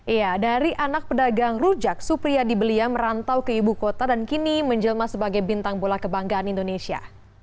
iya dari anak pedagang rujak supriyadi belia merantau ke ibu kota dan kini menjelma sebagai bintang bola kebanggaan indonesia